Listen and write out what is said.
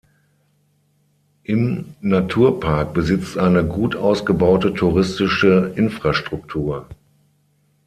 Im Naturpark besitzt eine gut ausgebaute touristische Infrastruktur.